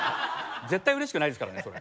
絶対うれしくないですからねそれ。